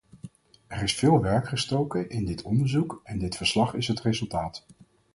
Er is veel werk gestoken in dit onderzoek, en dit verslag is het resultaat.